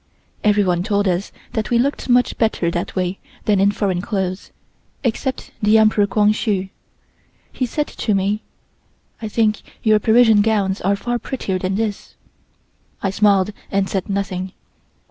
Everyone told us that we looked much better that way than in foreign clothes, except the Emperor Kwang Hsu. He said to me: "I think your Parisian gowns are far prettier than this." I smiled and said nothing.